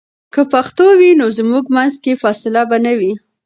که پښتو وي، نو زموږ منځ کې فاصله به نه وي.